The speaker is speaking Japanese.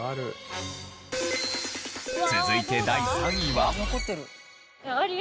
続いて第３位は。